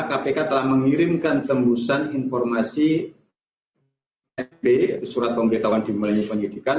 kpk telah mengirimkan tembusan informasi sb surat pemerintah di melayu pengedikan